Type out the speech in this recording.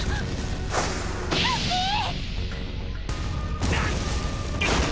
ハッピー！